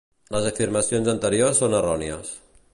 Les afirmacions anteriors són errònies.